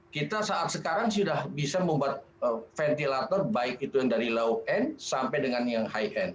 kita saat sekarang sudah bisa membuat ventilator baik itu yang dari low end sampai dengan yang high end